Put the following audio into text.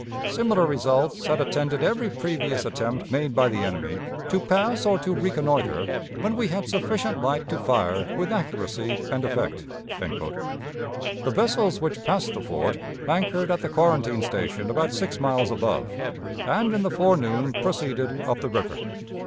Similar results had attended every previous attempt made by the enemy to pass or to reconnoiter when we had sufficient light to fire with accuracy and effect." The vessels which passed the fort anchored at the quarantine station about six miles above, and in the forenoon proceeded up the river.